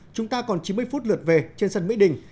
chúng ta còn chín mươi phút lượt về trên sân mỹ đình